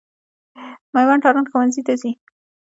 مېوند تارڼ ښوونځي ته ځي.